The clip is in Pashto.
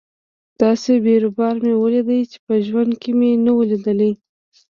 داسې بيروبار مې وليد چې په ژوند کښې مې نه و ليدلى.